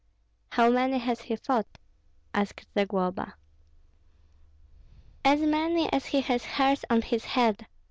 "How many has he fought?" asked Zagloba. "As many as he has hairs on his head!